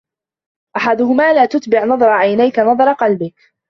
أَحَدُهُمَا لَا تُتْبِعْ نَظَرَ عَيْنَيْك نَظَرَ قَلْبِك